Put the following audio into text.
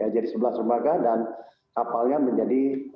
jadi sebelas dermaga dan kapalnya menjadi lima puluh sembilan